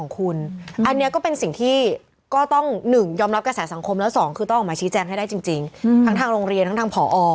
คือต้องออกมาชี้แจงให้ได้จริงทั้งทางโรงเรียนทั้งทางผอ